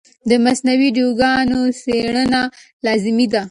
د مصنوعي ویډیوګانو څېړنه لازمي ده.